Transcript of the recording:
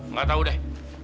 nggak tahu deh